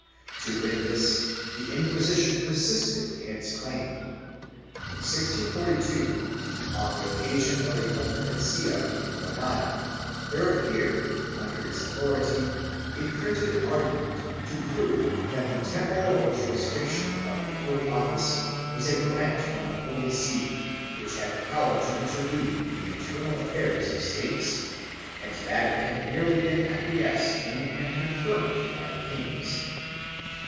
1 To win this the Inquisition persisted in its claim. In 1642, on the occasion of a competencia in Granada, there appeared, under its authority, a printed argument to prove that the temporal jurisdiction of the Holy Office was a grant from the Holy See, which had power to intervene in the internal affairs of States and that it had merely been acquiesced in and confirmed by the kings.